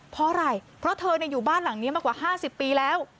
เพราะอะไรเพราะเธออยู่บ้านหลังนี้มากว่า๕๐ปีแล้ว